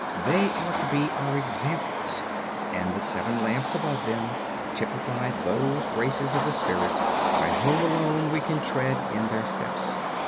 They are to be our examples, and the seven lamps above them typify those graces of the SPIRIT, by Whom alone we can tread in their steps.